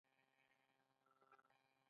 غوماشې د ماشومو ژړا سبب ګرځي.